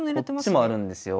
こっちもあるんですよ。